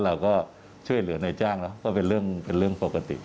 เราก็ช่วยเหลือในจ้างแล้วก็เป็นเรื่องปกติ